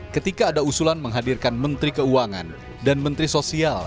ketika ada usulan menghadirkan menteri keuangan dan menteri sosial